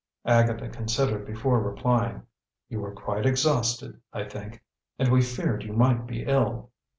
Agatha considered before replying. "You were quite exhausted, I think; and we feared you might be ill."